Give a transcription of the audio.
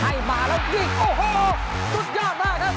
ให้มาแล้วยิงโอ้โหสุดยอดมากครับ